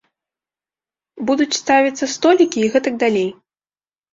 Будуць ставіцца столікі і гэтак далей.